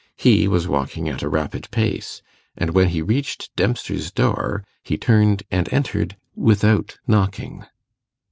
He was walking at a rapid pace, and when he reached Dempster's door he turned and entered without knocking.